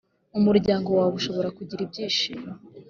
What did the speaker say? umuryango wawe ushobora kugira ibyishimo